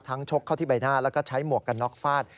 ชกเข้าที่ใบหน้าแล้วก็ใช้หมวกกันน็อกฟาด